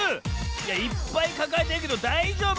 いやいっぱいかかえてるけどだいじょうぶ？